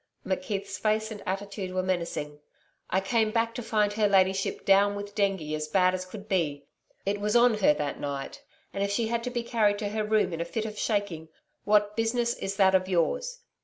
McKeith's face and attitude were menacing. 'I came back to find her ladyship down with dengue as bad as could be. It was on her that night, and if she had to be carried to her room in a fit of shaking, what business is that of yours?